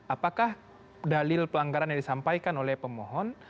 apakah dalil pelanggaran yang disampaikan oleh pemohon